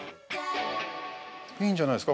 ◆いいんじゃないですか